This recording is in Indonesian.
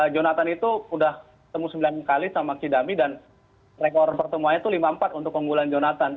jonathan itu udah temu sembilan kali sama kidami dan rekor pertemuannya itu lima empat untuk keunggulan jonathan